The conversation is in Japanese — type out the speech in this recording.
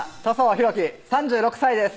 裕貴３６歳です